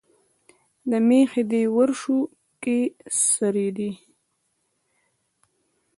مېښې دې ورشو کښې څرېدې